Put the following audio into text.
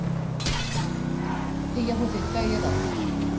でいやもう絶対嫌だって言って。